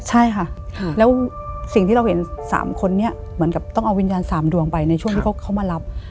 ใช่ค่ะแล้วสิ่งที่เราเห็น๓คนนี้เหมือนกับต้องเอาวิญญาณ๓ดวงไปในช่วงที่เขามารับ